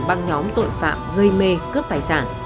băng nhóm tội phạm gây mê cướp tài sản